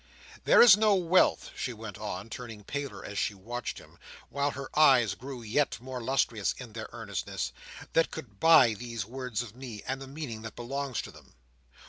"There is no wealth," she went on, turning paler as she watched him, while her eyes grew yet more lustrous in their earnestness, "that could buy these words of me, and the meaning that belongs to them.